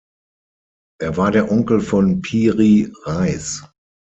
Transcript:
Er war der Onkel von Piri Reis.